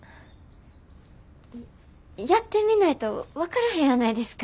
やってみないと分からへんやないですか。